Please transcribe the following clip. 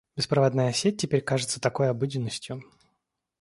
Беспроводная сеть теперь кажется такой обыденностью.